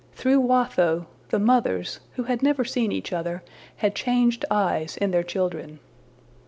Through Watho, the mothers, who had never seen each other, had changed eyes in their children.